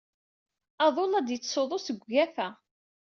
Aḍu la d-yettsuḍu seg ugafa.